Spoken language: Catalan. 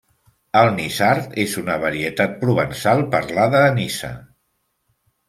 El niçard és una varietat provençal parlada a Niça.